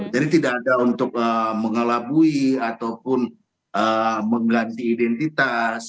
jadi tidak ada untuk mengelabui ataupun mengganti identitas